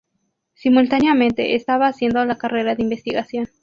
Simultáneamente estaba haciendo la carrera de investigación.